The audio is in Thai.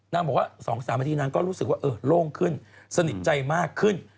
นางบอกว่า๒๓นาทีนางก็รู้สึกว่าโล่งขึ้นสนิทใจมากขึ้น